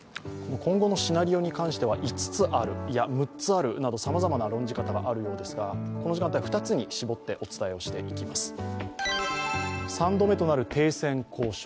今後のシナリオに関しては５つあるいや、６つあるなど、さまざまな論じ方があるようですがこの時間帯、２つに絞ってお伝えしていきます。